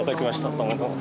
どうもどうも。